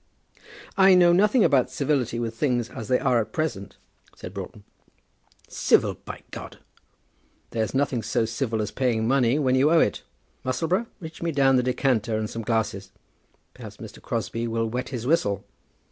"I know nothing about civility with things as they are at present," said Broughton. "Civil by ! There's nothing so civil as paying money when you owe it. Musselboro, reach me down the decanter and some glasses. Perhaps Mr. Crosbie will wet his whistle."